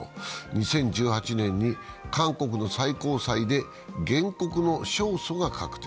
２０１８年に韓国の最高裁で原告の勝訴が確定。